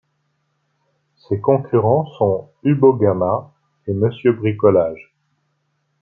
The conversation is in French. Ses concurrents sont Hubo, Gamma et Mr Bricolage.